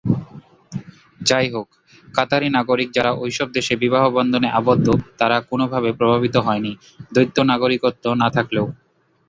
যাইহোক, কাতারি নাগরিক যারা ঐসব দেশে বিবাহ বন্ধনে আবদ্ধ তারা কোনভাবে প্রভাবিত হয়নি, দ্বৈত নাগরিকত্ব না থাকলেও।